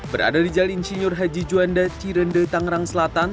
berada di jalan insinyur haji juanda cirende tangerang selatan